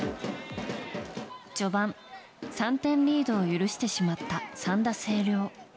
序盤、３点リードを許してしまった三田西陵。